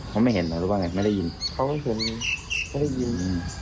เขาไม่เห็นหรือว่าไงไม่ได้ยินเขาไม่เห็นไม่ได้ยิน